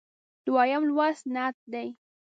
دویم لوست نعت دی.